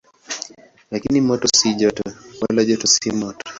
Lakini moto si joto, wala joto si moto.